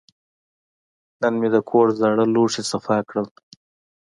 نن مې د کور زاړه لوښي صفا کړل.